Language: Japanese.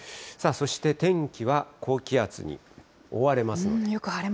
そして天気は高気圧に覆われますので。